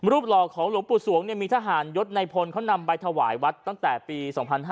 รูปหล่อของหลวงปุศวงศ์เนี่ยมีทหารยศนายพลเขานำไปถวายวัดตั้งแต่ปี๒๕๖๐